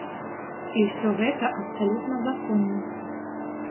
І ўсё гэта абсалютна законна.